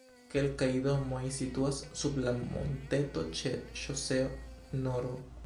Kelkaj domoj situas sub la monteto ĉe ŝoseo nr.